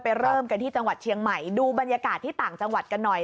เริ่มกันที่จังหวัดเชียงใหม่ดูบรรยากาศที่ต่างจังหวัดกันหน่อย